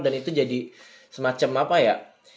dan itu jadi semacam apa ya